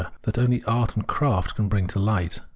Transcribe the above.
that only art and craft can bring to light.